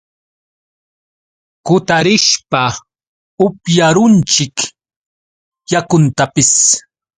kutarishpa upyarunchik yakuntapis.